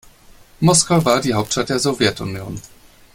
Moskau war die Hauptstadt der Sowjetunion.